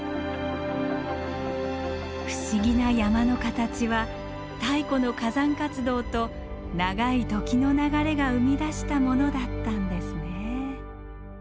不思議な山の形は太古の火山活動と長い時の流れが生み出したものだったんですね。